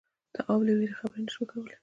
تواب له وېرې خبرې نه شوې کولای.